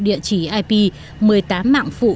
địa chỉ ip một mươi tám mạng phụ